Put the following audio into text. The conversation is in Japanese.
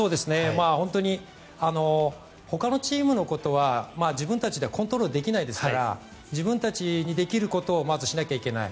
本当にほかのチームのことは自分たちでコントロールできないですから自分たちでできることをまずしなきゃいけない。